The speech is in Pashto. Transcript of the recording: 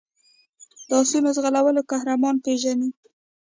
د آسونو ځغلولو قهرمان پېژني.